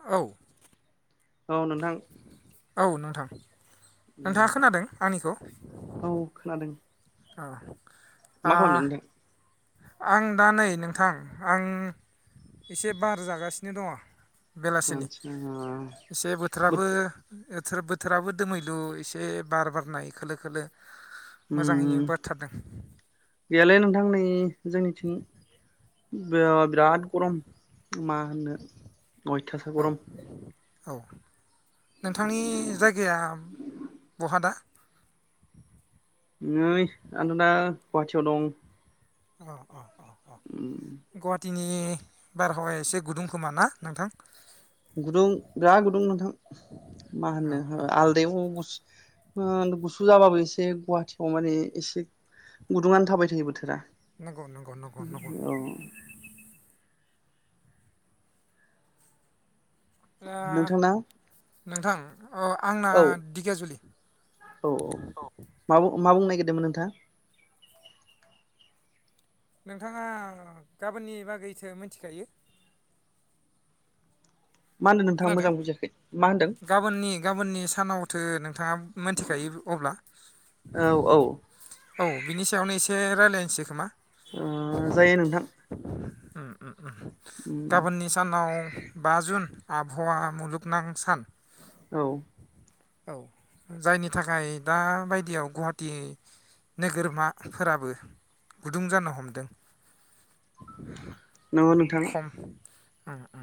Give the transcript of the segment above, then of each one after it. औ। औ नोंथां। औ नोंथां। उम नोंथाङा खोनादों आंनिखौ? औ खोनादों औ। आ मा खालामदों नोंथां? आं दा नै नोंथां आं एसे बार जागासिनो दङ। बेलासिनि आदसा एसे बोथोराबो। बोथ बोथोर बोथोराबो दोमैलु एसे बार बारनाय खोलो खोलो। उम‌ मोजाङैनो बारथारदों गैयालै नोंथां नै जोंनि बिराद गरम। मा होननो अयथासार औ गरम। औ नोंथांनि जायगाया बहा दा नै आनथदा गुवाहाटियाव दं अ अ अ गुहाटि टिनि बारहावाया एसे गुदुं खोमा ना नोंथां गुदुं बिराद गुदुं नोंथां मा औ औ होननो आलदायाव ओ गुसु जाबाबो एसे एसे गुवाहाटियाव माने एसे गुदुंङानो थाबाय थायो बोथोरा नंगौ नंगौ नंगौ नंगौ औ दा नोंथांनाव नोंथां अ आंना औ दिगाजुलि औ औ मा मा बुंनो नागिर दोंमोन नोंथां नोंथाङा गाबोननि बागैथो मिनथिखायो मा होनदों नोंथां आं खोनादों मोजां बुजियाखै मा होनदों थो नों नोंथाङा मिथिखायो अब्ला औ ओ औ बिनि सायावनो एसे रायलायसै खोमा ओ जायो नोंथां उम गाबोननि सानाव बा जुन आबहावा मुलुगनां सान औ औ जायनि थाखाय दाबायदियाव गुवाहाटि नोगोरमाफोराबो गुदुं जानो हमदों नगौ नोंथां ओ ओ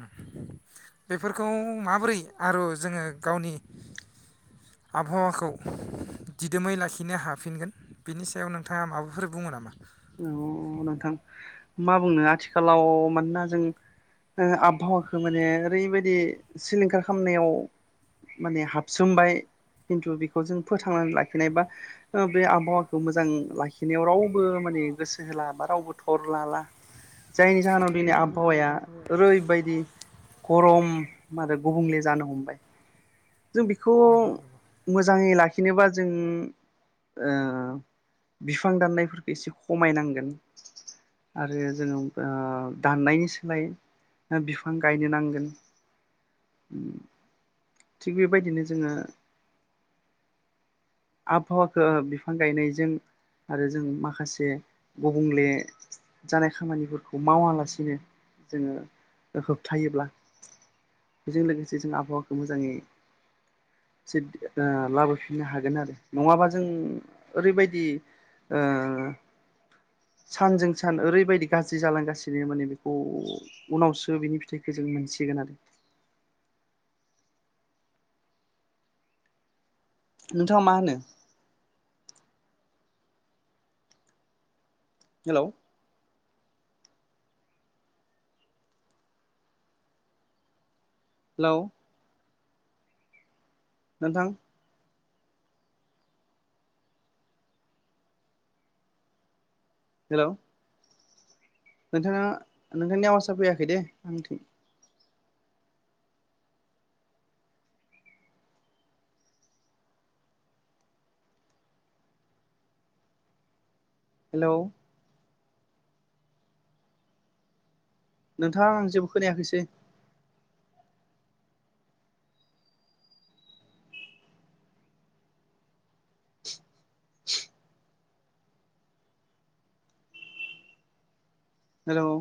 बेफोरखौ माबोरै आरो जोङो गावनि आबहावाखौ दिदोमै लाखिनो हाफिनगोन बिनि सायाव नोंथाङा माबाफोर बुङो नामा? औ नोंथां मा बुंनो आथिखालाव मानोना जों ओ आबहावाखौ माने ओरैबायदि सिलिंखार खालामनायाव माने हाबसोमबाय खिन्थु बेखौ जों फोथांनानै लाखिनाय बा ओ बे आबहावाखौ मोजां लाखिनायाव रावबो माने ने गोसो होला बा रावबो थर लाला जायनि जाहोनाव दिनै आबहावाया ओरैबायदि गरम आरो गुबुंले जानो हमबाय जों बेखौ नंगौ मोजाङै ला खिनोबा जों ओ बिफां दाननायफोरखौ एसे खमायनांगोन आरो जोङो ओ दाननायनि सोलाय बिफां गायनो नांगोन थिग बेबायदिनो जोङो आबहावाखौ बिफां गायनायजों आरो जों माखासे गुबुंले जानाय खामानिफोरखौ मावालासिनो जोङो होबथायोब्ला बेजों लोगोसे जों आबहावाखौ मोजाङै ओ लाबोफिननो हागोन आरो नङाबा जों ओरैबायदि ओ सानजों सान ओरैबायदि गाज्रि जालांगासिनो माने बेखौ उनावसो बिनि फिथाइखौ जों मोनसिगोन आरो नोंथाङा मा होनो हेल' हेल' नोंथां हेल' नोंथाङा नोंथांनि आवाजाव फैयाखै दे आं थिं हेलौ नोंथाङा आं जेबो खोनायाखिसै हेल'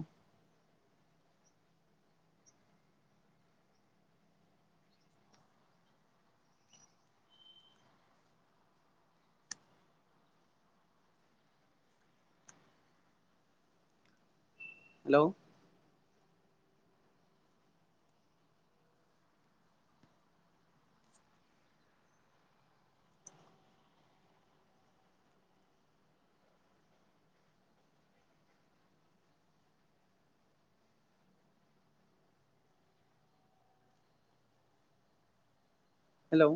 हेल' हेल'